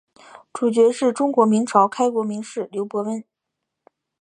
主角是中国明朝开国名士刘伯温。